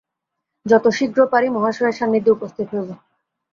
যত শীঘ্র পারি মহাশয়ের সান্নিধ্যে উপস্থিত হইব।